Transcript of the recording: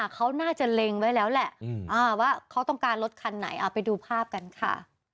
เขาน่าจะเล็งไว้แล้วแหละว่าเขาต้องการรถคันไหนเอาไปดูภาพกันค่ะ